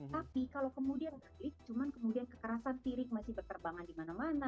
tapi kalau kemudian cuma kemudian kekerasan tirik masih berterbangan di mana mana